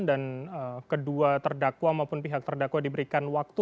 dan kedua terdakwa maupun pihak terdakwa diberikan waktu